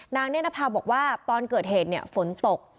เนธนภาบอกว่าตอนเกิดเหตุฝนตก